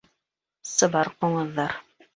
Сыбар ҡуңыҙҙар